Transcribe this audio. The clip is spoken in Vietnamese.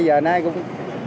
giờ nay cũng